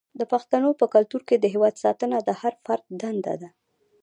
د پښتنو په کلتور کې د هیواد ساتنه د هر فرد دنده ده.